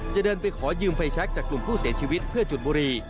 เดินไปขอยืมไฟแชคจากกลุ่มผู้เสียชีวิตเพื่อจุดบุรี